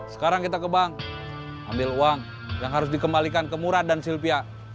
sekarang kita ke bank ambil uang yang harus dikembalikan ke murad dan sylvia